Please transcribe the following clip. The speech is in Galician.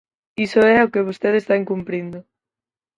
Iso é o que vostede está incumprindo.